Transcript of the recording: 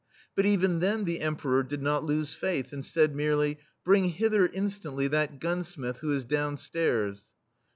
But even then the Emperor did not lose faith, and said merely :" Bring hither instantly that gunsmith who is downstairs.